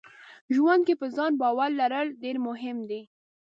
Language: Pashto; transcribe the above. ژوند کې په ځان باور لرل ډېر مهم دي.